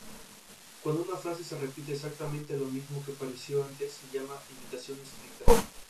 Cuando una frase repite exactamente lo mismo que apareció antes, se llama "imitación estricta".